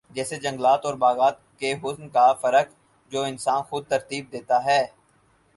جیسے جنگلات اور باغات کے حسن کا فرق جو انسان خود ترتیب دیتا ہے